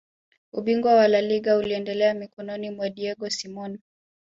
ubingwa wa laliga ulienda mikononi mwa diego simeone